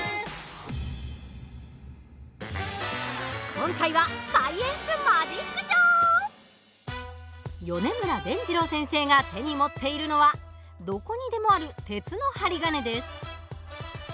今回は米村でんじろう先生が手に持っているのはどこにでもある鉄の針金です。